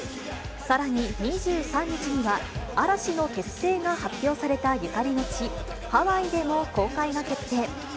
さらに、２３日には、嵐の結成が発表されたゆかりの地、ハワイでも公開が決定。